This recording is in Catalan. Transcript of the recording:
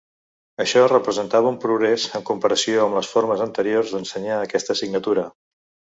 Això representava un progrés en comparació amb les formes anteriors d’ensenyar aquesta assignatura.